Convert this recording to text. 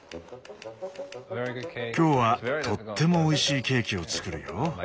今日はとってもおいしいケーキを作るよ。